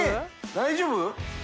大丈夫？